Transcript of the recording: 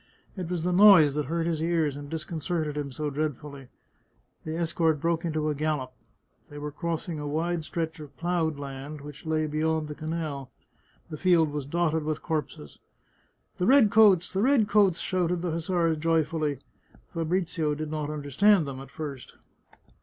It was the noise that hurt his ears and disconcerted him so dreadfully. The escort broke into a gallop. They were crossing a wide stretch of ploughed land, which lay beyond the canal. The field was dotted with corpses. " The red coats ! the red coats !" shouted the hussars joyfully. Fabrizio did not understand them at first.